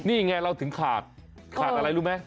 นี่ไงเราถึงขาดขาดอะไรรู้ไหม